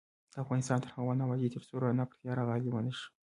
افغانستان تر هغو نه ابادیږي، ترڅو رڼا پر تیاره غالبه نشي.